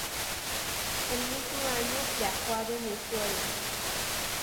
El mismo año, viajó a Venezuela.